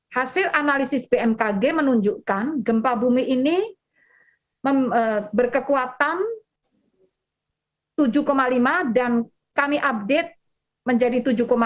hasil analisis bmkg menunjukkan gempa bumi ini berkekuatan tujuh lima dan kami update menjadi tujuh satu